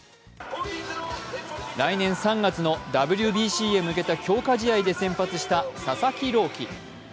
来年３月のＷＢＣに向けた強化試合に先発した佐々木朗希。